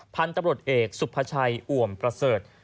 พันธุ์ตำรวจเอกสุภาชัยอ่วมประเสริฐ